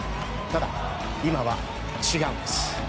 ただ、今は違うんです。